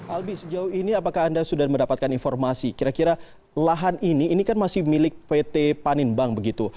albi sejauh ini apakah anda sudah mendapatkan informasi kira kira lahan ini ini kan masih milik pt panin bank begitu